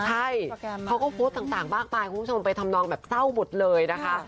ใช่เขาก็โพสต์ต่างมากมายคุณผู้ชมไปทำนองแบบเศร้าหมดเลยนะคะ